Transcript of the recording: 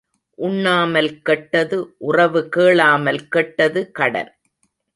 உண்ணாமல் கெட்டது உறவு கேளாமல் கெட்டது கடன்.